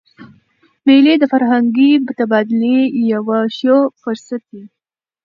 مېلې د فرهنګي تبادلې یو ښه فرصت يي.